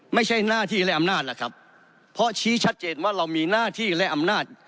ไม่ใช่หน้าที่และอำนาจล่ะครับเพราะชี้ชัดเจนว่าเรามีหน้าที่และอำนาจ